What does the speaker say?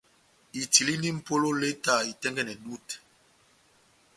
Itilindi mʼpolo leta itɛ́ngɛ́nɛ dutɛ.